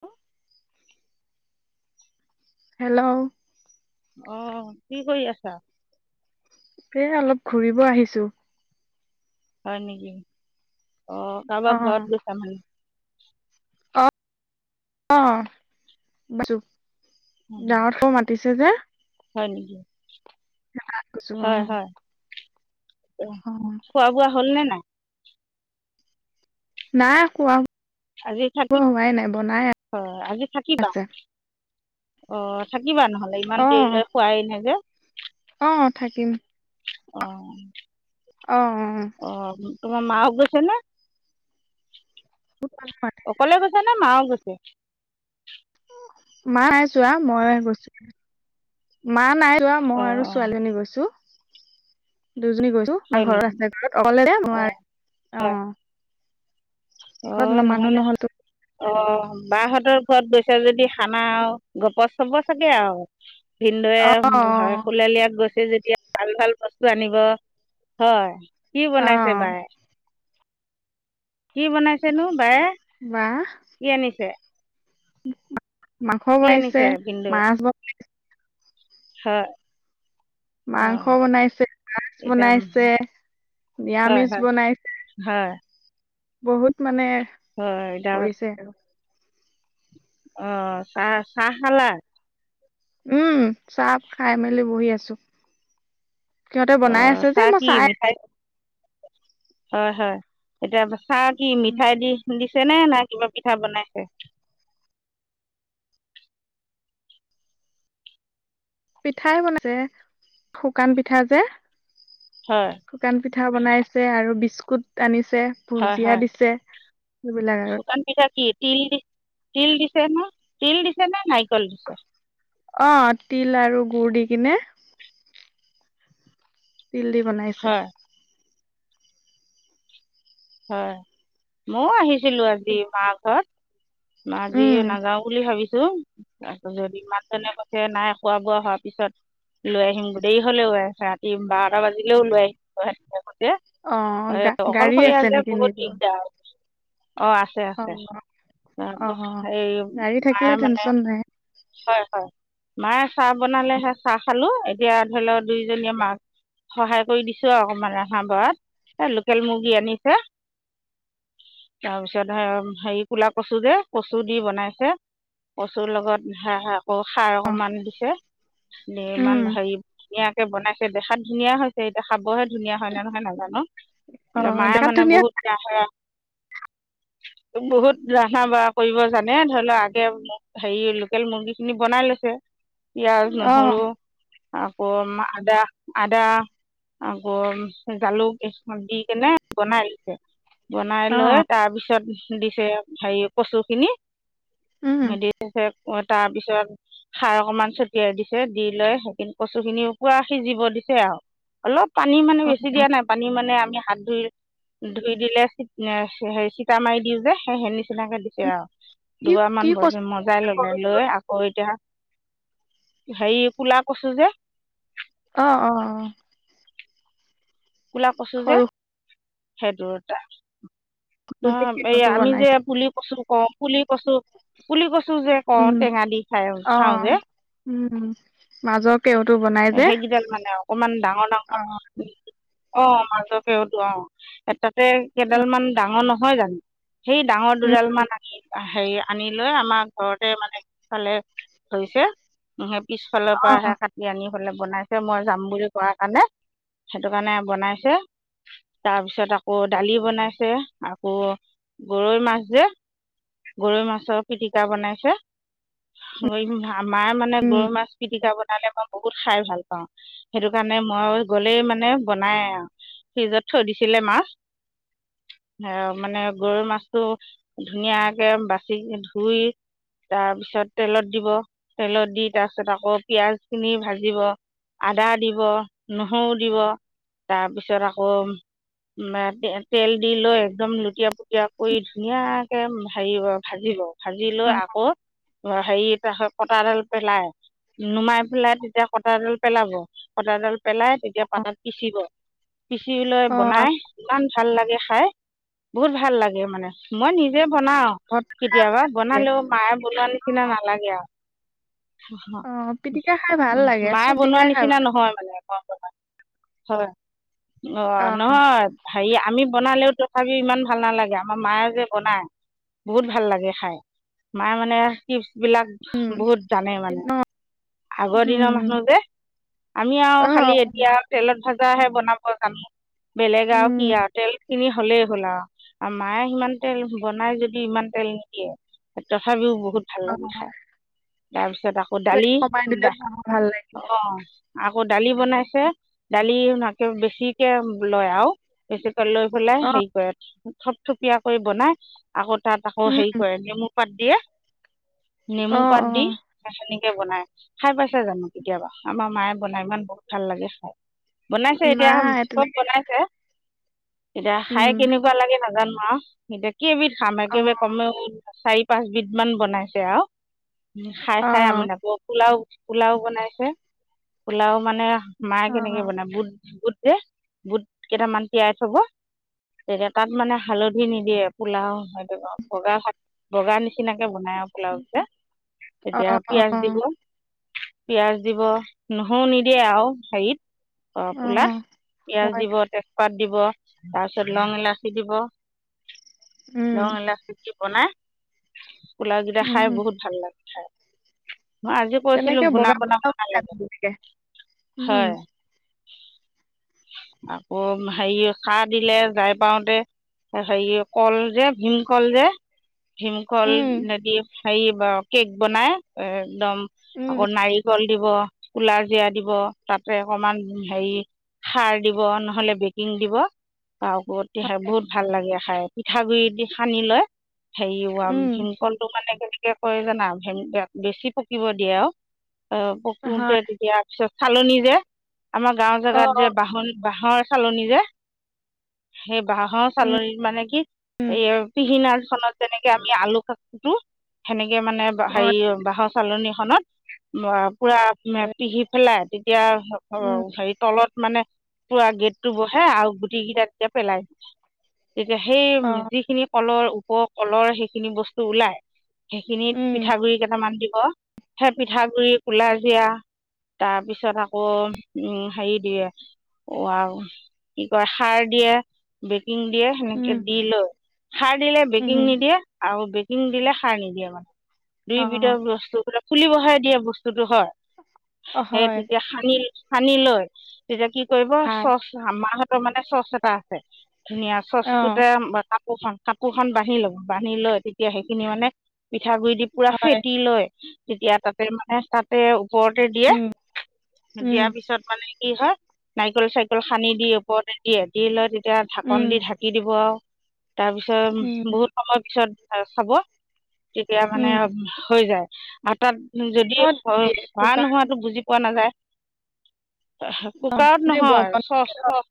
হ। [unintelligible] হেল্ল'। অহ কি কৰি আছা? এ অলপ ঘুৰিব আহিছো। হয় নেকি। অ অ কাৰোবা ঘৰত গৈছামানে? অ অআছো উম, গাঁৱত খৌ মাতিছে। [unintelligible] চ যে। [unintelligible] হয় নকি। কৈছো অ হয় হয় অ খোৱা বোৱা হল নে নাই? নাই কোৱা। আজি থাকিব অ আজি থাকিবা আছে অ থা কি বা নহলে ইমান অ দেৰিলৈ খোৱাই এৰিলে যে। অ [unintelligible] থাকিম অ। অ। তোমাৰ মাও গৈছে নে? অ অকলে গৈছে নে মাও গৈছে? [inaudible] মাই চোৱা মই গৈছো [unintelligible] নাই যোৱা মই অঁ আৰু অঁ ছোৱালীজনী গৈছো। দুজনী গৈছো। হয় আমাৰ ঘৰত নেকি ৰাস্তা ঘৰত অকলে যে অঁ নোৱাৰে। অ ঘৰত মানুহ নহলে নহলতো অ বা হঁতক। ঘৰত গৈছো যদি খানা আৱ গপচ হব চাগে আৱ। ভিনন্দুৱে, অ অ খুলেলিয়ে গৈছে। যেতিয়া ভাল ভাল বস্তু আনিব। হয় কি অ বনাইছে বাই? কি বনাইছেনো বায়ে? বাহ কি আনিছে? মাংস কি বনিছে, মাছ বনছে। হে। মাংস বনাইছে, মাছ এতিয়া উম, বনাইছে। হয় নিৰামিষ হয় বনাইছে। হয় বহুত মানে। হয়। কৰিছে আৰু আহ চাহ চাহ খালা? উম চাপ খাই মেলি বহি আছো। সিহঁতে বনাই অঁ আছে যে চাহ মই কি চাই মিঠাই আছো। হয় হয় এতিয়া চাহ কি আছো। মিঠাই দি দি চনে নাই কিবা পিঠা বনাইছে পিঠাই বনাইছে শুকান পিঠা যে হয় শুকান পিঠা পিঠা বনাইছে আৰু বিস্কুট আনিছে হয় হয় ভুজিয়া দিছে সেইবিলাক আৰুত শুকান পিঠা কি তিল দি তিল দিছে ন তিল দিছে ন নাৰিকল দিছে অ তিল আৰু গুুৰ দি কিনে তিল্ বনাইছে হয় হয় মইও আহিছিলো আজি মা ঘৰত ম উম যিয়ে নাযাও বুলি ভাবিছো তাৰ যদি ইমানজনে কঠছে নাই খোৱা বোৱা হোৱাৰ পিছত লৈ আহিম গোটেই হলেও ৰাতি বাৰটা বাজিলেও লৈ আহিম কৈছে অ গা গাড়ী আছে। অকলশৰীয়া নেকি বহুত ঠিক নিজৰ ঠাকক অ আছে অ আছে অ ত এই গাড়ী থাকিলে মায়ে মানে টেনচন নাই হয় হয় মায়ে চাহ বনালেহে চাহ খালো এতিয়া ধৰি লও দুইজনীয়ে মাক সহায় কৰি দিছো অকমান ৰহা বঢ়াত এ লোকেল মুৰ্গী আনিছে তাৰপিছত হেৰি কলা কচু যে কচু দি বনাইছে কচুৰ লগত হ আকৌ সাৰ অকমান দিছে উম ইমান হেৰি ধুনীয়াকে বনাইছে দেখাত ধুনীয়া হৈছে এতিয়া খাবহে ধুনীয়া হয় নে নহয় নাজানো অ ন মায়ে দেখাত মানে ধুনীয়া বহুত কে বহুত ৰন্ধা বঢ়া কৰিব জানে ধৰি লও আগে হেৰি লোকেল মুৰ্গী খিনি বনাই লৈ পিঁয়াজ অ নহৰু আকৌ আদা আদা আকৌ জালুক দি কেনে বনাই দিছে বনাই অ লৈ তাৰপিছত দিছে হেৰি কচু খিনি উম দিছে তাৰ পিছত খাৰ অকমান ছটিয়াই দিছে দি লৈ সেই কচু খিনি পুৰা সিজিব দি আৰু অলপ পানী মানে অ বেছি দিয়া নাই পানী মানে আমি হাত ধই ধুই দিলে হে চিতা মাৰি দিওঁ যে সেই নিচিনাকে দিছে আৰু কি দুবাৰ কি মান কষ্ট বজ মজাই সৰু ললে লৈ আকৌ এতিয়া হেৰি কোলা কৈছো যে অ অ অ কোলা কছো যে সৰু সেইটোৰ এটা সৰু ন যে এই কেওটো আমি যে বনাইছে পুলি বস্তু কওঁ পুলি কচু পুলি কচু যে কওঁ উম টেঙা দি খাই অ খাওঁ যে উম। মাজৰ কেওটো বনাই যে সেইকেইডাল মানে অকমান ডাঙৰ অ ডাঙৰ অ মাজকেওতো অ এ ততে কেইডাল মান ডাঙৰ নহয় জানো সেই ডাঙৰ উম দুডাল মান আহিলা হেৰি আনি লৈ আমাৰ ঘৰতে মানে সফালে ধৰিছে পিছফালৰ অ পৰাহে কাটি আনি ফালে বনাইছে মই যাম বুলি কোৱা কাৰণে সেইটো কাৰণে বনাইছে তাৰপিছত আকৌ দালি বনাইছে আকৌ গৰৈ মাছ যে গৰৈ মাছৰ পিটিকা বনাইছে গৈ ভাল আমাৰ মানে উম গৰু মাছ পিটিকা প মই বহুত খাই ভাল পাওঁ সেইটো কাৰণে মই গ'লেই মানে মানে বনাই আৰু ফ্ৰিজত থৈ দিছিলে মাছ আৰু মানে গৰৈ মাছটো ধুনীয়াকে বাচি ধুই তাৰপিছত তেলত দিব তেলত দি তাৰপিছত আকৌ পিঁয়াজ খিনি ভাজিব আদা দিব নহৰু দিব তাৰপিছত আকৌ তেল দি লৈ একদম লুটীয়া পুটীয়া কৰি ধুনীয়াকে হেৰি ভাজিব। ভাজি লৈ অ আকৌ হেৰি তাচত কটাডাল পেলাই। নুমাই পেলাই তেতিয়া কটাডাল পেলাব, কটাডাল পেলাই তেতিয়া পাত পিচিব, পিচি লৈ অ অ বনাই ভাল লাগে খাই, বহুত ভাল লাগে মানে মই নিজে বনাও ঘৰত খাই কেতিয়াবা ভাল লাগে বনালেও মায়ে বন নিচিনা নালাগে আও। অ পিটিকা খাই ভাল উ লাগে মায়ে চব বনোৱা পিটিকাই খাই ভাল নিচিনা লাগে নহয় মানে ব হয়, অ নহয় হেৰি আমি বনালেও তথাপিও ইমান ভাল নালাগে, আমাৰ মায়ে যে বনায় বহুত ভাল লাগে খাই, মায়ে মানে টিপছ বিলাক উম বহুত জানে মানে। অ আগৰ দিনৰ উম মানুহ যে আমি আৰু অ খালি এতিয়া তেলত ভাজাহে বনাব জানো, বেলেগ আৰু উম শিয় তেল খিনি হ'লেই হ'ল আৰু মায়ে সিমান তেল বনাই যদি ইমান তেল নিদিয়ে। তথাপিও বহুত ভাল অ লাগে খাই, তাৰপিছত তাৰিছত আকৌ তেল দালি, কমাই দিলে খাব ভাল লাগে অ আকৌ দালি বনাইছে দালি নাকেও বেছিকে লয় আও, তাৰপিচত লৈ পেলাই অ হেৰি কৰে থপথপিয় কৰি বনাই, আকৌ তাত আকৌ হেৰি উম কৰে নেমু পাত দিয়ে, নেমু অ পাত অ দি বনাই, খাই পাইছো জানো কেতিয়াবা, আমাৰ মায়ে বনাই ইমান বহুত ভাল লাগে খাই। বনাইছে এতিয়া নাই চব তেনেকে বনাইছে। এতিয়া খাই উম কেনেকুৱা লাগে নাজানো আও, এতিয়া কেইবিধ খাম অ একেবাৰে কমেও চাৰি, পাঁচবিধ মমান বনাইছে আও, খাই অ খাই আমি অ আকৌ পোলাও পোলাও বনাইছে, পোলাও মানে মাক অ কেনেকে বনাই বুট বুট যে বুট কেইটামান তিয়াই থব তেয়া তাত মানে হালধি নিদিয়ে পোলাও হৈ যাব বগা হাক বগা নি নিচিনাকে বনাই আৰু পোলাও যে, এতিয়া পিয়াজ দিব পিয়য়াজ দিব নহৰু নিদিয়ে আৰু হেৰিত অ পোলাত পিয়াজ হয় দিব, তেজপাত দিব, তাৰপিছত লং এলাচি দিব, উম লং এলাচি দি বনাই, পোলাওকেইটা খাই উম বহুত ভাল লাগে খাই। মই আজি কৈছিলো তেনেকে ঘুনা বগা বনা ব্লাউজ বনালে হয়, লাগে উম হয়। আকৌ হেৰি সাৰ দিলে যাই পাওঁতে। হেৰি কল যে ভীমকলল যে ভীমকল উম নেদি হেৰি বা কেক বনাই, এ একদম উম আকৌ উম নাৰিকল দিব কুলা জিৰা দিব তাতে। অকমান হেৰি সাৰ দিব নহলে বেকিং দিব। বা বহুত দী হৈ খাই বহুত ভাল লাগে খাই পিঠা গুৰিদি সানি লয়। হেয়ুয়াম উম, শিমকলটো মানে কেনে কে কয় জানা, বেছি পকিব দিয়ে আৰু অ পকোতে হয় দিয়াৰ পিছত চালনি যে আমাৰ গাঁওৰ অ জেগাত অ যে বাহনী বাঁহৰ। চালনী যে, সেই বাঁহৰ উম চালনীত মানে কি উম এই পিহিনা খত যেনেকে আমি আলু কা কুটো সেনেকে মানে অ হেৰি বাঁহৰ চালনি খত পুৰা নিশ্চয়। পিহি পেলাই তেতিয়া অ উম হেৰি তলত মানে পুৰা গেট টো বহে আৰু গুটি কেইটা এতিয়া পেলাই, তেতিয়া সেই অ যিখিনি কলৰ ওপ কলৰ সেইখিনি বস্তু ওলাই, সেইখিনিত উম পিঠাগুৰি কেইটামান দি সেই পিঠাগুৰি কুলাজিৰা তাৰপিছত আকৌ উম হেৰি দিয়ে অ আৰু কি কয় সাৰ দিয়ে। বেকিং দিয়ে সেনেকে উম দি লয়, সাৰ দিলে উম বেকিং নিদিয়ে আৰু শিং দিলে সাৰ নিদিয়ে মানে, দুই অ বিধ বস্তুবিলাক ফুলি বহে দিয়া বস্তু। লো হয়। অ সেই হয় তেতিয়া সানিল সানি লৈ তেতিয়া কি কৰিব হয় চচ আমাৰ হতৰ মানে চচ এটা আছে, ধুনীয়া অ চচটোতে কাপোৰ খন কাপোৰখন বান্ধি লো। বান্ধি লৈ তেতিয়া সেইখিনি মানে পিঠাগুৰি দি পুৰা হয় ফেটি লয় তেতিয়া তাতে মানে তাতে ওপৰতে দিয়ে, উম দিয়াৰ পিছত মানে কি হয় নাৰিকল চাৰিকল সানি দি ওপৰতে দিয়ে। দি লৈ এতিয়া উম ঢাকন দি ঢাকি দিব। উম তাৰপিছত বহুত সময় পিছত। আৰু চাব তেতিয়া মানে উম হৈ যায়। আৰু তাত যদি কিহত হয় দিয়ে হোৱা কুকাৰত নোহোৱাটো বুজি পোৱা নাযায়। অ কুকাৰত এনে নহয় বৰ্তন চচ চচ।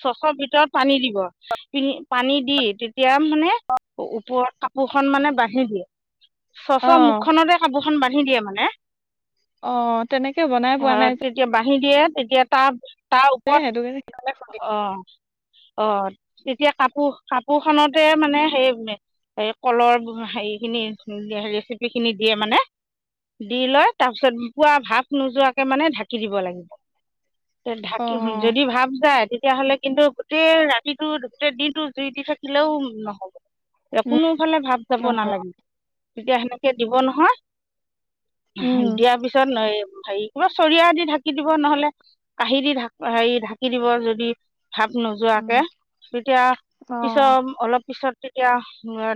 চচৰ ভিতৰত পানী দিব। পীনি পানী দি তেতিয়া মানে ওপৰত কাপোৰ খন মানে বান্ধি দিয়ে। অ চচৰ মুখখনতে কাপোৰখন বান্ধি দিয়ে মানে। অ তেনেকে বনাই পোৱা নাই যে। আহি দিয়ে তেতিয়া তা, তা ওপৰত। সেইটো কাৰণে সেইকাৰণে সুধিছো আহ। অ এতিয়া কাপো কাপো খনতে মানে সেই সেই কলৰ হেৰি খিনি ৰেচিপি খিনি দিয়ে মানে। দি লয় তাৰ পিছত পুৰা ভাপ নোযোৱাকে মানে ঢাকি দিব লাগিব। অ ঢাকি যদি ভাব যায়। তেতিয়াহ'লে কিন্তু গোটেই ৰাতিটো গোটেই দিনটো জুই দি থাকিলেও নহ'ব। উম কোনোফালে ভাৱ চাব অ নালাগে। তেতিয়া সেনেকে দিব নহয়। উম দিয়াৰ পিছত হেৰি কিবা চৰিয়া দি ঢাকি ঢাকি দিব নহলে। কাঁহি দি ঢাক হেৰি ঢাকি দিব। যদি ভাৱ উম নোযোৱাকে। তেতিয়া অ পিছত অলপ পিছত তেতিয়া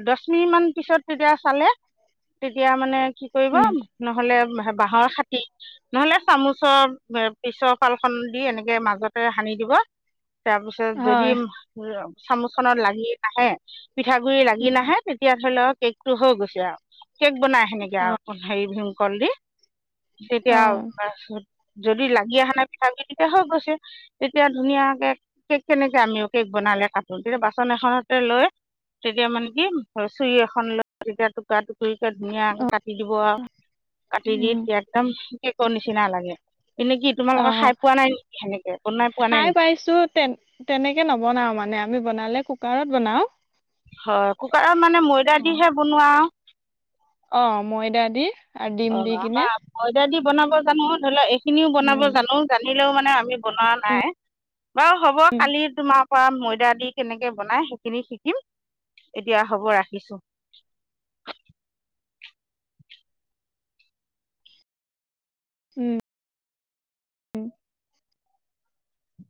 দচ মিনিটমান পিছত তেতিয়া চালে। তেতিয়া মানে কি কৰিব উম নহলে বাঁহৰ খাতি, নহলে চামুচৰ পিছফাল খন দি এনেকে মাজতে সানি দিব। তাৰপিছত যদি হয় চামুচ খনত লাগি নাহে। পিঠাগুৰি লাগি উম নাহে তেতিয়া ধৰি লওক কেকটো হৈ গৈছে আৱ। কেক বনাই সেনেকে অ আৰুক হেৰি ভীমকল দি। অ তেতিয়া যদি লাগি আহা নাই পিঠাগুৰি তেতিয়া হৈ গৈছে। তেতিয়া ধুনীয়াকে, কেক কেনেকে আমিও কেক বনাম। কালে কাটো তেতিয়া বাচন এখনতে লৈ তেতিয়া মানে কি চুৰি এখন লৈ তেতিয়া টুকা টুকি। খুইকে ধুনীয়াকে কাটি দিব আৱ। কাটি দি উম একদম একো নিচিনা লাগে। এনে কি অ তোমালোকে খাই পোৱা নাই নেকি সেনেকে বনাই পোৱা নাই খাই নেকি পাইছো তেন তেনেকে নবনাও মানে। আমি বনালে কুকাৰত বনাও। হয়। কুকাৰত মানে ময়দা অ দিহে বনোৱা আৱ। অ ময়দা দি। আৰু ডিম অ দি কিনে আমাৰ ময়দা দি বনাব জানো। ধৰি ল এইখিনিও বনাব উম জানো। জানিলেও মানে আমি বনোৱা নাই। বাৰু হব উম কালি তোমাৰ খোৱা ময়দা দি কেনেকে বনাই সেইখিনি শিকিম। এতিয়া হব ৰাখিছো। [unintelligible] উম উম।